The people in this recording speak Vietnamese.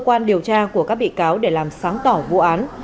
cơ quan điều tra của các bị cáo để làm sáng tỏ vụ án